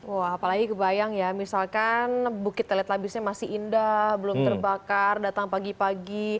wah apalagi kebayang ya misalkan bukit telet labisnya masih indah belum terbakar datang pagi pagi